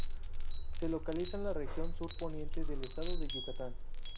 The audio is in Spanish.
Se localiza en la región sur poniente del estado de Yucatán.